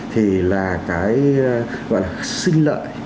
thì là cái gọi là sinh lợi